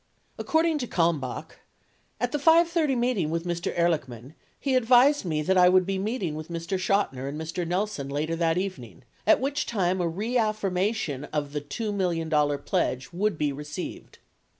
According to Kalmbach : At the 5 :30 meeting with Mr. Ehrlichman he advised me that I would be meeting with Mr. Chotiner and Mr. Nelson later that evening, at which time a reaffirmation of the [$2 million] pledge would be received.